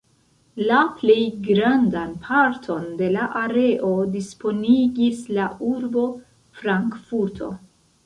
La plej grandan parton de la areo disponigis la urbo Frankfurto.